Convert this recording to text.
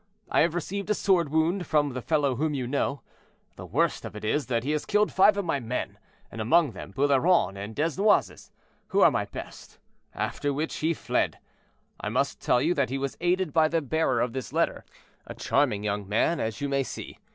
I have received a sword wound from the fellow whom you know. The worst of it is, that he has killed five of my men, and among them Boularon and Desnoises, who are my best, after which he fled. I must tell you that he was aided by the bearer of this letter, a charming young man, as you may see.